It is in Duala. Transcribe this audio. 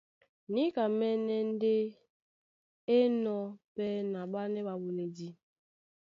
Níkamɛ́nɛ́ ndé é enɔ̄ pɛ́ na ɓánɛ́ ɓaɓoledi.